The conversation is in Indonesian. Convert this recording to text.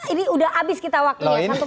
ini udah habis kita waktunya